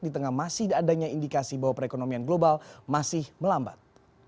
di tengah masih adanya indikasi bahwa perekonomian global masih melambat